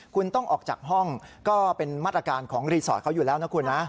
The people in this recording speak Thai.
คุณต้องออกจากห้องก็เป็นมาตรการของรีสอร์ทเขาอยู่แล้วนะคุณนะ